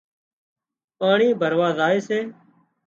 پاڻي ڀراوا زائي سي